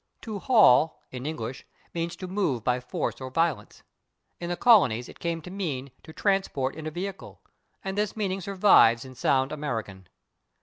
/To haul/, in English, means to move by force or violence; in the colonies it came to mean to transport in a vehicle, and this meaning survives in sound American.